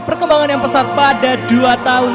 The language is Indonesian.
perkembangan yang pesat pada dua tahun